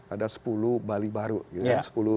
ada sepuluh bali baru gitu kan